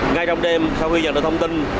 ngay trong đêm sau khi nhận được thông tin